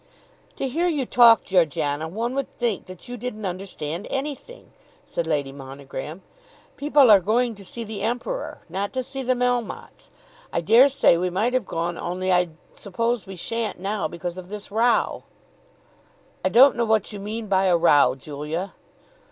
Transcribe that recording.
"To hear you talk, Georgiana, one would think that you didn't understand anything," said Lady Monogram. "People are going to see the Emperor, not to see the Melmottes. I dare say we might have gone, only I suppose we shan't now because of this row." "I don't know what you mean by a row, Julia."